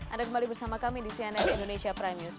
ada kembali bersama kami di sihandar indonesia prime news